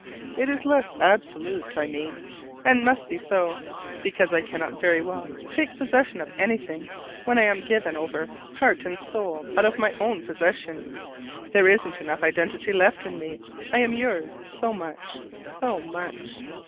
It is less absolute, I mean; and must be so, because I cannot very well take possession of anything when I am given over heart and soul out of my own possession: there isn't enough identity left in me, I am yours so much, so much!